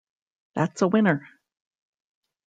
That's a winner!